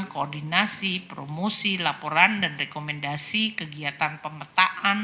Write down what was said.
koordinasi promosi laporan dan rekomendasi kegiatan pemetaan